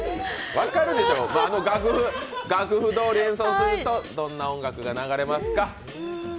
分かるでしょ、あの楽譜どおり演奏すると、どんな音楽が流れますか？